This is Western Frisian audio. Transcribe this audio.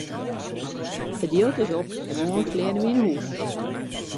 It jild is op en moarn fleane wy nei hús!